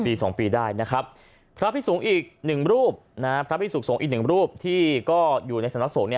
ที่สองปีได้นะครับพระพิสูงอีกหนึ่งรูปนะครับพระพิสูงอีกหนึ่งรูปที่ก็อยู่ในสมัครโสก